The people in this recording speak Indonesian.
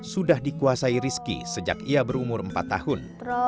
sudah dikuasai rizky sejak ia berumur empat tahun